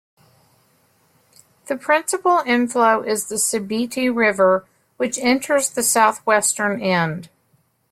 The principal inflow is the Sibiti River, which enters the southwestern end.